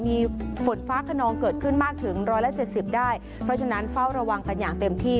มีฝนฟ้าขนองเกิดขึ้นมากถึงร้อยละเจ็ดสิบได้เพราะฉะนั้นเฝ้าระวังกันอย่างเต็มที่